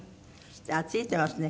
あっ付いてますね。